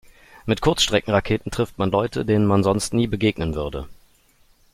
Mit Kurzstreckenraketen trifft man Leute, denen man sonst nie begegnen würde.